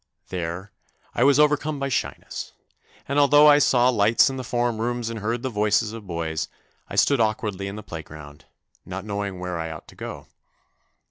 There I was overcome by shyness, and although I saw lights in the form rooms and heard the voices of boys, I stood awkwardly in the playground, not knowing where I ought to go.